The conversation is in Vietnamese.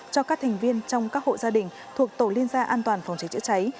cho các thành viên trong các hộ gia đình thuộc tổ liên gia an toàn phòng trái chữa trái